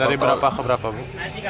dari berapa ke berapa bu